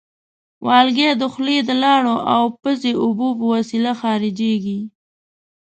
والګی د خولې د لاړو او پزې اوبو په وسیله خارجېږي.